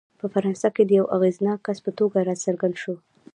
په فرانسه کې د یوه اغېزناک کس په توګه راڅرګند شو.